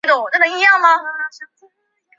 其中似乎确凿只有一些野草